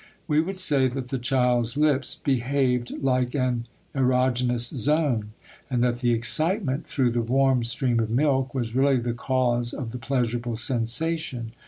We would say that the child's lips behaved like an erogenous zone, and that the excitement through the warm stream of milk was really the cause of the pleasurable sensation.